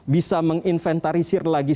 bisa menginventarisir lagi